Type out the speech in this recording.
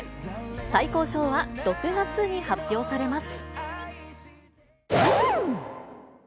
最高賞は６月に発表されます。